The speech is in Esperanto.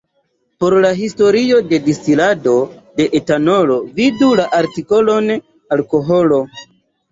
Por la historio de distilado de etanolo, vidu la artikolon Alkoholo.